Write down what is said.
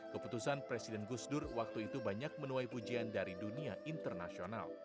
keputusan presiden gus dur waktu itu banyak menuai pujian dari dunia internasional